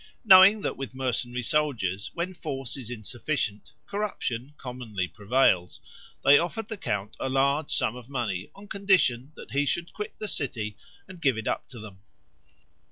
Knowing that with mercenary soldiers, when force is insufficient, corruption commonly prevails, they offered the count a large sum of money on condition that he should quit the city, and give it up to them.